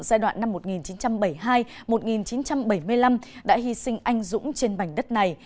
giai đoạn năm một nghìn chín trăm bảy mươi hai một nghìn chín trăm bảy mươi năm đã hy sinh anh dũng trên bành đất này